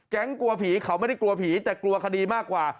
กลัวผีเขาไม่ได้กลัวผีแต่กลัวคดีมากกว่า